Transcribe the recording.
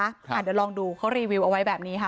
เดี๋ยวลองดูเขารีวิวเอาไว้แบบนี้ค่ะ